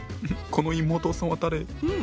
この妹さんは誰？